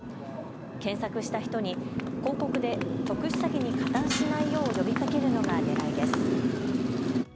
検索した人に広告で特殊詐欺に加担しないよう呼びかけるのがねらいです。